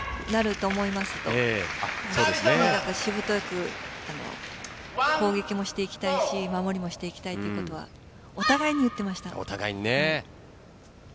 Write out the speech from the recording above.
とにかくしぶとく攻撃もしていきたいし守りをしていきたいということはお互いに言っていました。